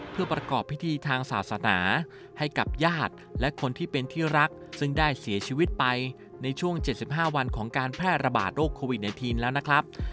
เพื่อประกอบพิธีทางศาสนาให้กับญาติและคนที่เป็นที่รักซึ่งได้เสียชีวิตไปในช่วง๗๕วันของการแพร่ระบาดโรคโควิด๑๙แล้วนะครับ